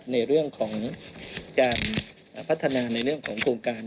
ในเรื่องของการพัฒนาในเรื่องของโครงการ